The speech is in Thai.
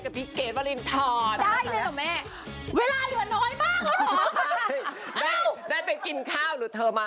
กับเพลงที่มีชื่อว่ากี่รอบก็ได้